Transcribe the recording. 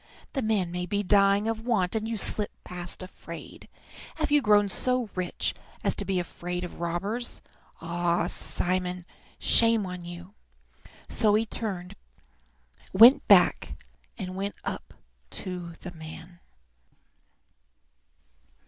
"The man may be dying of want, and you slip past afraid. Have you grown so rich as to be afraid of robbers? Ah, Simon, shame on you!" So he turned back and went up to the man.